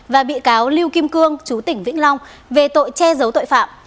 và bị cáo lưu kim cương chú tỉnh vĩnh long về tội che giấu tội phạm